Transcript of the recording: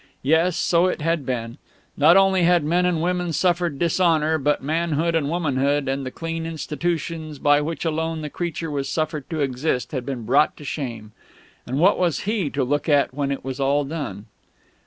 Yes, so it had been. Not only had men and women suffered dishonour, but manhood and womanhood and the clean institutions by which alone the creature was suffered to exist had been brought to shame. And what was he to look at when it was all done?...